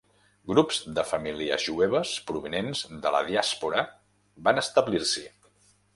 Grups de famílies jueves provinents de la diàspora van establir-s'hi.